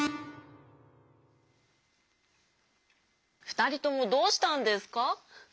ふたりともどうしたんですか？